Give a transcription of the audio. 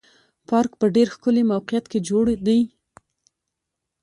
پارک په ډېر ښکلي موقعیت کې جوړ دی.